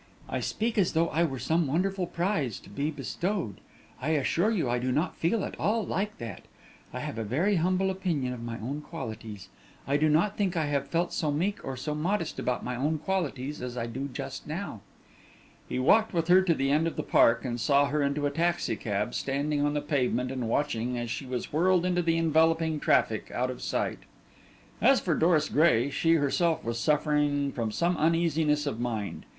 "I speak as though I were some wonderful prize to be bestowed; I assure you I do not feel at all like that. I have a very humble opinion of my own qualities. I do not think I have felt so meek or so modest about my own qualities as I do just now." He walked with her to the end of the park, and saw her into a taxicab, standing on the pavement and watching as she was whirled into the enveloping traffic, out of sight. As for Doris Gray, she herself was suffering from some uneasiness of mind.